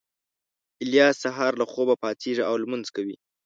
الیاس سهار له خوبه پاڅېږي او لمونځ کوي